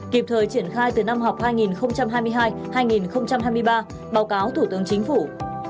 kịp thời triển khai từ năm học hai nghìn hai mươi hai hai nghìn hai mươi ba báo cáo thủ tướng chính phủ